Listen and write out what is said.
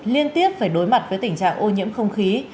liên tiếp phải đối mặt với tình trạng ô nhiễm không khí